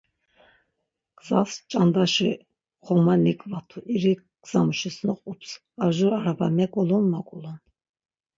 Gzas ç̌andaşi xoma niǩvatu, irik gzamuşis noqups, ar jur araba meǩulun moǩulun.